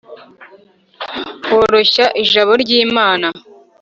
woroshya ijabo ryi mana